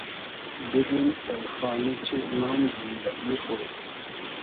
بیدیم اېلخانی چیز نام زیندئگی خو